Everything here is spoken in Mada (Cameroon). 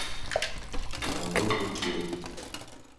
Naŋga algo te.